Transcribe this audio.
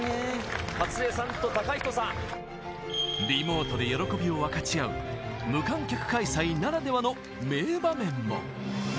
リモートで喜びを分かち合う、無観客開催ならではの名場面も。